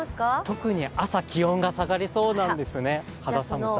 特に朝、気温が下がりそうなんですね、肌寒さ。